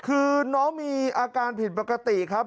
คือน้องมีอาการผิดปกติครับ